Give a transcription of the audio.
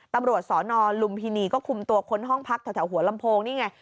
ตำรวจสนลุมพินีก็คุมตัวคนห้องพักแถวหัวลำโพงนี่ไง